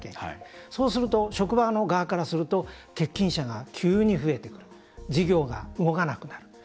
そうすると職場の側からすると欠勤者が急に増えて事業が動かなくなる。